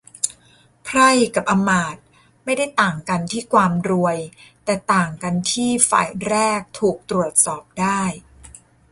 ไพร่กับอำมาตย์ไม่ได้ต่างกันที่ความรวย แต่ต่างกันที่ฝ่ายแรกถูกตรวจสอบได้